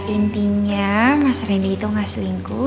intinya mas rendy itu gak selingkuh